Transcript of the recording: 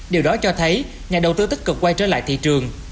điều đó cho thấy nhà đầu tư tích cực quay trở lại thị trường